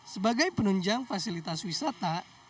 sebagai penunjang fasilitas wisata